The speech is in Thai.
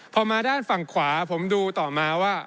พอมาด้านฝั่งขวาผมดูต่อมาว่า